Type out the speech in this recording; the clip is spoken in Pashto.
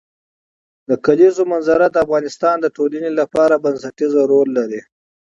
د کلیزو منظره د افغانستان د ټولنې لپاره بنسټيز رول لري.